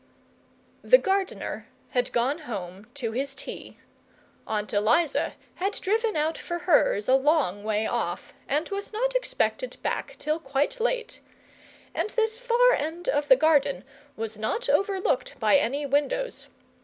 The gardener had gone home to his tea. Aunt Eliza had driven out for hers a long way off, and was not expected back till quite late; and this far end of the garden was not overlooked by any windows.